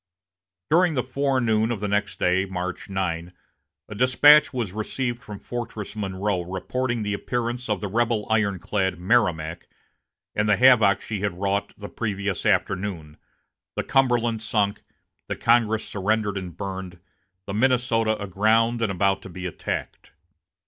During the forenoon of the next day, March 9, a despatch was received from Fortress Monroe, reporting the appearance of the rebel ironclad Merrimac, and the havoc she had wrought the previous afternoon the Cumberland sunk, the Congress surrendered and burned, the Minnesota aground and about to be attacked.